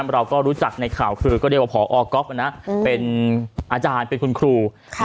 เราก็รู้จักในข่าวคือพอก๊อฟเป็นอาจารย์คุณครู